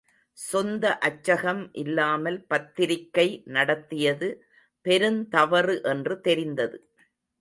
சொந்த அச்சகம் இல்லாமல் பத்திரிக்கை நடத்தியது பெருந்தவறு என்று தெரிந்தது.